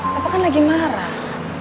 papa kan lagi marah